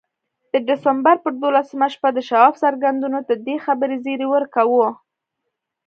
د ډسمبر پر دولسمه شپه د شواب څرګندونو د دې خبرې زيري ورکاوه.